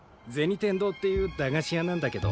天堂っていう駄菓子屋なんだけど。